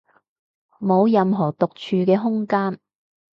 冇任何獨處嘅空間